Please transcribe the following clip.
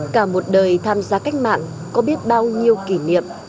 cả một đời tham gia cách mạng có biết bao nhiêu kỷ niệm